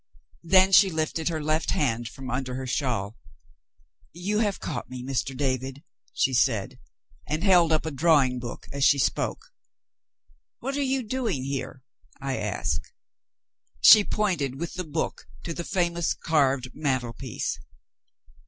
Then she lifted her left hand from under her shawl. "You have caught me, Mr. David!" she said and held up a drawing book as she spoke. "What are you doing here?" I asked. She pointed with the book to the famous carved mantelpiece.